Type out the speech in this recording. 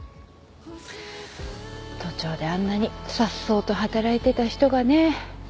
都庁であんなにさっそうと働いてた人がね。